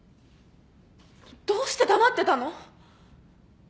どうして黙ってたの？